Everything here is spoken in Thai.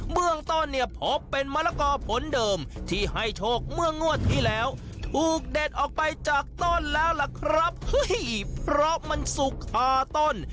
เมืองต้นเนี่ยพบเป็นมะละกอผลเดิมที่ให้โชคเมื่องวดที่แล้วถูกเด็ดออกไปจากต้นแล้วล่ะครับเฮ้ยเพราะมันสุกคาต้น